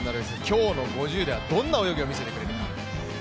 今日の５０ではどんな泳ぎを見せてくれるか。